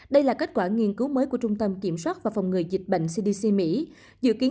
đây là kết quả nghiên cứu mới của trung tâm kiểm soát và phòng người dịch bệnh cdc mỹ